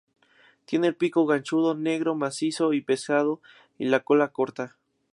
Tiene el pico ganchudo, negro, macizo y pesado, y la cola corta.